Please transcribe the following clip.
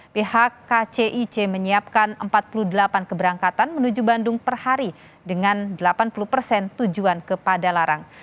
pihak kcic menyiapkan empat puluh delapan keberangkatan menuju bandung per hari dengan delapan puluh persen tujuan kepada larang